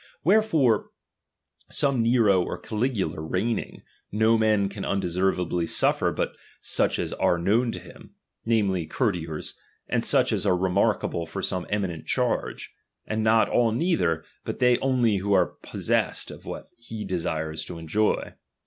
Wherefore some Nero or Ca ligula reigning, no men can undeservedly suffer but such as are known to him, namely, courtiers, and such as are remarkable for some eminent cliarge ; aud not all neither, but they only who are possessed of what he desires to enjoy.